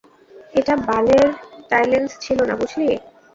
এটা বালের টাইলেনল ছিলনা, বুঝলি?